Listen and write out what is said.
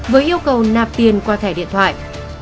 với yêu cầu nạp tiền qua thẻ điện thoại